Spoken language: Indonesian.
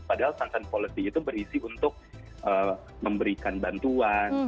padahal sunsan policy itu berisi untuk memberikan bantuan